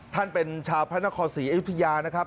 ท่านเป็นชาวพระนครศรีอยุธยานะครับ